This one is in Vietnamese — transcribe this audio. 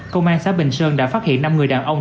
công an xã bình sơn đã phát hiện năm người đàn ông